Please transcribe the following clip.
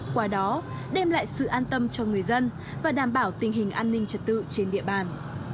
qua đó đem lại sự an tâm cho người dân và đảm bảo tình hình an ninh trật tự trên địa bàn